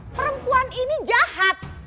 perempuan ini jahat